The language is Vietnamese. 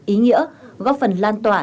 ý nghĩa góp phần lan tỏa